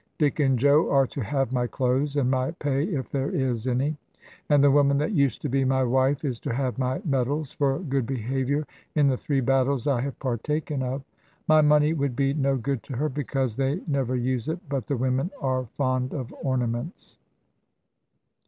Dick and Joe are to have my clothes, and my pay if there is any; and the woman that used to be my wife is to have my medals for good behaviour in the three battles I have partaken of. My money would be no good to her, because they never use it; but the women are fond of ornaments.